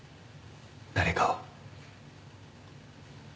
誰かを。